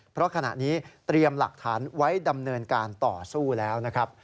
เพราะขณะนี้เตรียมหลักฐานไว้ดำเนินการต่อสู้แล้วนะครับ